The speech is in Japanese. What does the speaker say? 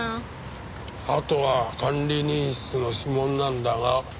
あとは管理人室の指紋なんだが。